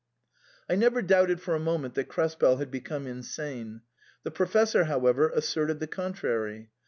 I never doubted for a moment that Krespel had be come insane ; the Professor, however, asserted the con trary.